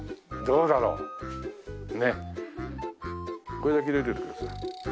これだけ入れといてください。